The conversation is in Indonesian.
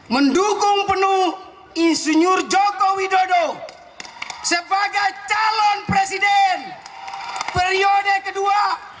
mendukung penuh insinyur joko widodo sebagai calon presiden periode kedua